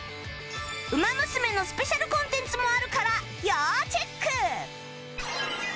『ウマ娘』のスペシャルコンテンツもあるから要チェック！